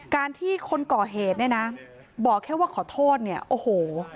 การที่คนก่อเหตุเนี่ยนะบอกแค่ว่าขอโทษเนี่ยโอ้โห